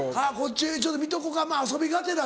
ちょっと見とこか遊びがてらだ。